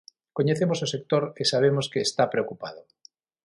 Coñecemos o sector e sabemos que está preocupado.